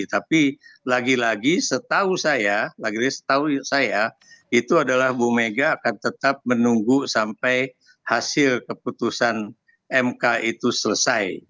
tapi lagi lagi setahu saya itu adalah ibu megawati akan tetap menunggu sampai hasil keputusan mk itu selesai